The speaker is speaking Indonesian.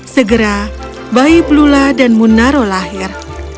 segera bayi blula dan munaro lahir